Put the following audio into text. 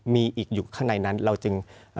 มีอีกอยู่ข้างในนั้นเราจึง